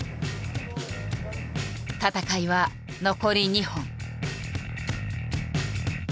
戦いは残り２本。